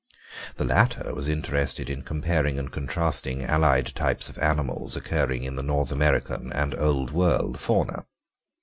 The latter was interested in comparing and contrasting allied types of animals occurring in the North American and Old World fauna.